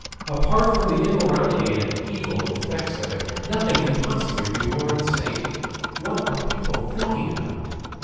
Apart from the immorality and evil effects of it, nothing can possibly be more unsafe. What are people thinking about?